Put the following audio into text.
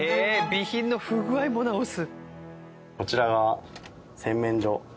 備品の不具合も直す。